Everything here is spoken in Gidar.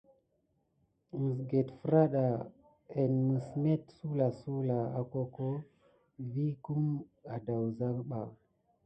Məsget fraɗa en məs met suwlasuwla akoko vigue kum edawuza ba.